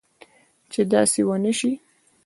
چې داسي و نه شي